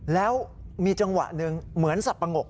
แล้วมีจังหวะหนึ่งเหมือนสับปะงก